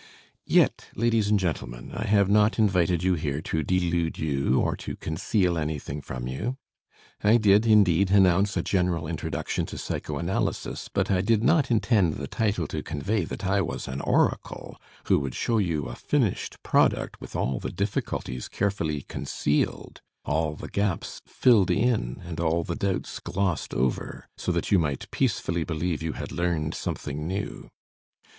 Yet, ladies and gentlemen, I have not invited you here to delude you or to conceal anything from you. I did, indeed, announce a General Introduction to Psychoanalysis, but I did not intend the title to convey that I was an oracle, who would show you a finished product with all the difficulties carefully concealed, all the gaps filled in and all the doubts glossed over, so that you might peacefully believe you had learned something new.